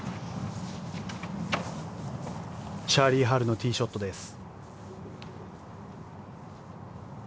チャーリー・ハルのティーショットです。